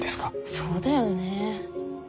そうだよね。